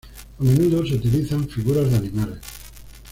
A menudo se utilizan figuras de animales.